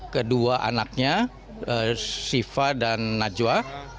kedua anaknya siva dan najwa